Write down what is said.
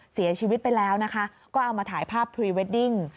เสียชีวิตไปแล้วนะคะก็เอามาถ่ายภาพพรีเวดดิ้ง